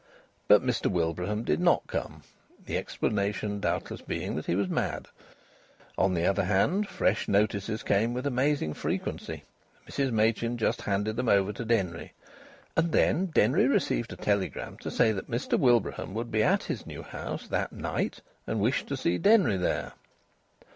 But Mr Wilbraham did not come, the explanation doubtless being that he was mad. On the other hand, fresh notices came with amazing frequency. Mrs Machin just handed them over to Denry. And then Denry received a telegram to say that Mr Wilbraham would be at his new house that night and wished to see Denry there.